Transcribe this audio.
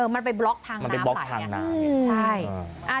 มันไปบล็อกทางน้ำไปใช่เออมันไปบล็อกทางน้ำ